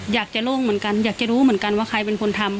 อยากจะโล่งเหมือนกันอยากจะรู้เหมือนกันว่าใครเป็นคนทำ